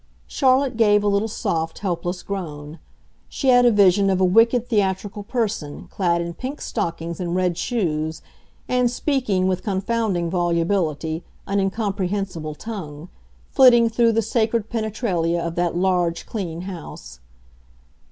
Charlotte gave a little soft, helpless groan. She had a vision of a wicked, theatrical person, clad in pink stockings and red shoes, and speaking, with confounding volubility, an incomprehensible tongue, flitting through the sacred penetralia of that large, clean house.